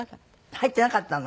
入ってなかったの？